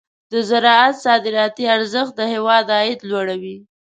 د زراعت صادراتي ارزښت د هېواد عاید لوړوي.